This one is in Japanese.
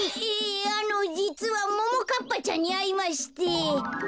ええあのじつはももかっぱちゃんにあいまして。